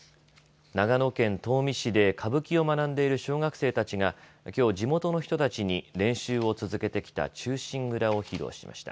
長野県東御市で歌舞伎を学んでいる小学生たちがきょう地元の人たちに練習を続けてきた忠臣蔵を披露しました。